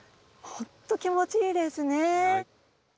本当気持ちいいですね。